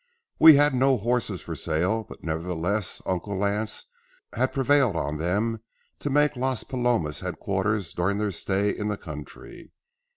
We had no horses for sale, but nevertheless Uncle Lance had prevailed on them to make Las Palomas headquarters during their stay in the country.